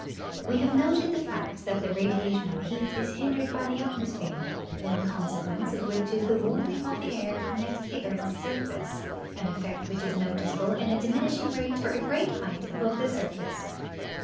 We have noted the fact that the radiation of heat is hindered by the atmosphere, one consequence of which is the warming of the air next the earth's surface, an effect which is noticeable in a diminishing rate for a great height above the surfiice.